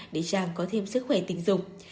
để chàng có thêm sức khỏe tình dục